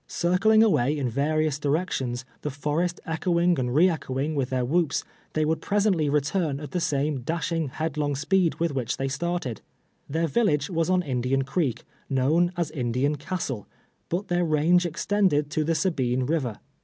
Circling away in various direc tions, the forest echoing and re echoing with their whoops, they would presently return at the same dashing, headlong speed with ndiicli they started. Their village was on Indian Creek, known as Indian Castle, but their range extended to the Sabine River.